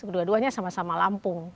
dua duanya sama sama lampung